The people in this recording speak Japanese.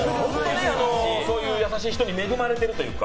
そういう優しい人に恵まれているというか。